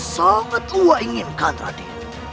banget ua inginkan raden